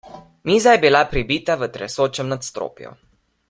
Miza je bila pribita v tresočem nadstropju.